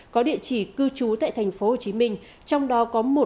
có địa chỉ cư trú tại tp hcm